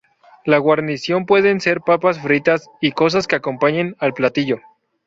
La guarnición pueden ser patatas fritas, y cosas que acompañen al platillo.